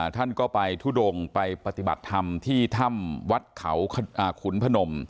ท่านก็ไปทุดงไปปฏิบัติธรรมที่ถ้ำวัดเขาขุนพนม